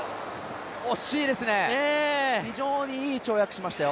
惜しいですね、非常にいい跳躍をしましたよ。